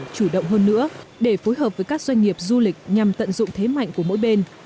chủ động hơn nữa để phối hợp với các doanh nghiệp du lịch nhằm tận dụng thế mạnh của mỗi bên